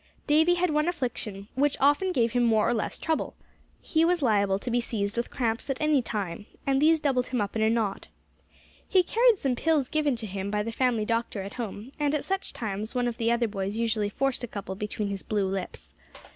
Davy had one affliction, which often gave him more or less trouble. He was liable to be seized with cramps at any time; and these doubled him up in a knot. He carried some pills given to him by the family doctor at home, and at such times one of the other boys usually forced a couple between his blue lips.